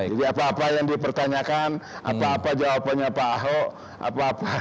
jadi apa apa yang dipertanyakan apa apa jawabannya pak ahok apa apa